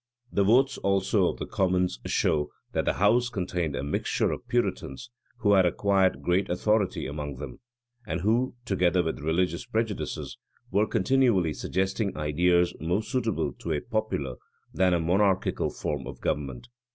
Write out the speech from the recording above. The votes also of the commons show that the house contained a mixture of Puritans, who had acquired great authority among them,[] and who, together with religious prejudices, were continually suggesting ideas more suitable to a popular than a monarchical form of government.